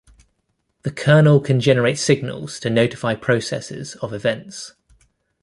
The kernel can generate signals to notify processes of events.